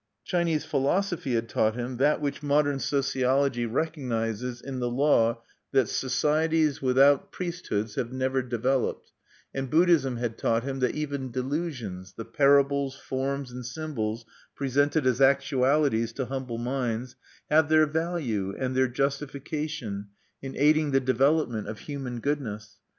Chinese philosophy had taught him that which modern sociology recognizes in the law that societies without priesthoods have never developed; and Buddhism had taught him that even delusions the parables, forms, and symbols presented as actualities to humble minds have their value and their justification in aiding the development of human goodness.